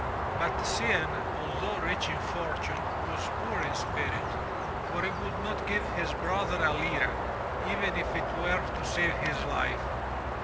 But Cianne, although rich in fortune, was poor in spirit, for he would not give his brother a lira, even if it were to save his life.